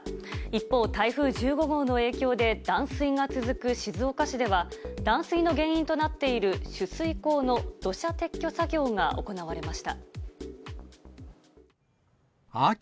一方、台風１５号の影響で断水が続く静岡市では、断水の原因となっている取水口の土砂撤去作業が行われました。